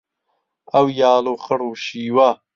ئەو یاڵ و خڕ و شیوە